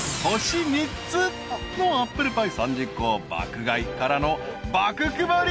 ［星３つのアップルパイ３０個を爆買いからの爆配り］